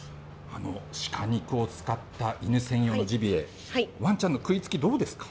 鹿肉を使った犬専用のジビエ、ワンちゃんの食いつき、どうですか？